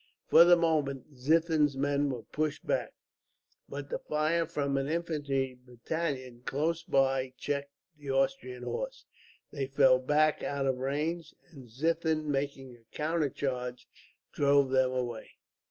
For the moment Ziethen's men were pushed back, but the fire from an infantry battalion, close by, checked the Austrian horse. They fell back out of range, and Ziethen, making a counter charge, drove them away.